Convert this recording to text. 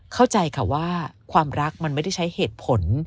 เข้าใจค่ะว่าความรักมันไม่ได้ใช้เหตุผล